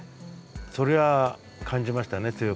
それは感じましたね強く。